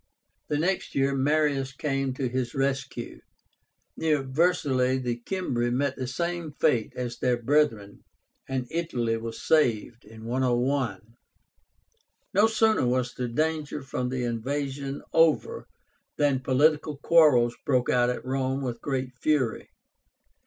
The next year Marius came to his rescue. Near VERCELLAE the Cimbri met the same fate as their brethren, and Italy was saved (101). No sooner was the danger from the invasion over than political quarrels broke out at Rome with great fury.